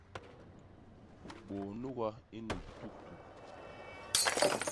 Bôô nuga i nnumb tuktuk.